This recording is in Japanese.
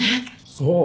そう。